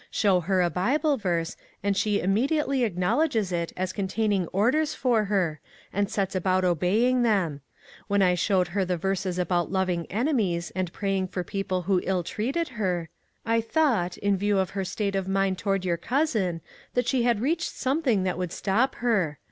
Show her a Bible verse and she immediately acknowledges it as containing orders for her, and sets about obeying them. When I showed her the verses about loving enemies and praying for people who ill treated her, I thought, in view of her state of mind toward your cousin, that she had reached something that would stop her.